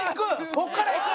ここからいく？